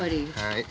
はい。